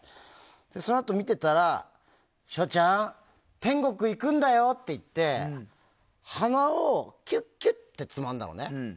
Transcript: そのあと見てたらしょうちゃん天国行くんだよって鼻をキュッキュってつまんだのね。